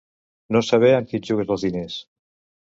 No saber amb qui et jugues els diners.